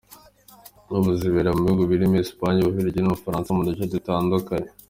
Ubu, rizabera mu bihugu birimo Espagne, u Bubiligi n’u Bufaransa mu duce dutandukanye.